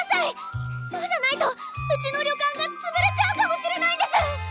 そうじゃないとうちの旅館がつぶれちゃうかもしれないんです！